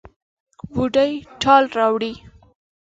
د بوډۍ ټال راوړي